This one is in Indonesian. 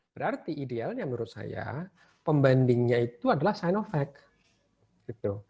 berarti idealnya menurut saya pembandingnya itu adalah sign of fact